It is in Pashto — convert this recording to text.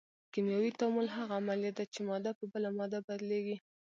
کیمیاوي تعامل هغه عملیه ده چې ماده په بله ماده بدلیږي.